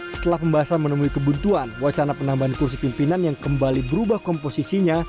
setelah pembahasan menemui kebuntuan wacana penambahan kursi pimpinan yang kembali berubah komposisinya